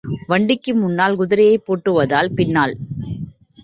வண்டிக்கு முன்னால் குதிரையைப் பூட்டுவதால் பின்னால்.